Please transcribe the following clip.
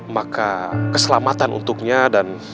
maka keselamatan untuknya dan